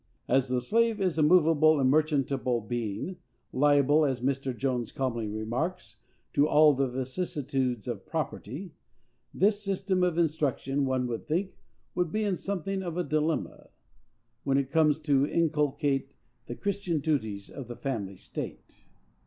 As the slave is a movable and merchantable being, liable, as Mr. Jones calmly remarks, to "all the vicissitudes of property," this system of instruction, one would think, would be in something of a dilemma, when it comes to inculcate the Christian duties of the family state.